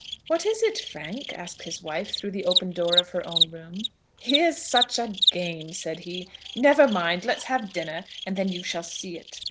"What is it, Frank?" asked his wife, through the open door of her own room. "Here's such a game," said he. "Never mind; let's have dinner, and then you shall see it."